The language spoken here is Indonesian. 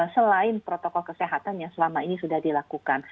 selain protokol kesehatan yang selama ini sudah dilakukan